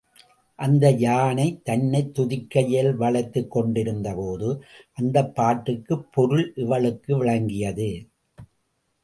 அந்த யானை தன்னைத் துதிக்கையால் வளைத்துக் கொண்டிருந்தபோது அந்தப்பாட்டுக்குப் பொருள் இவளுக்கு விளங்கியது.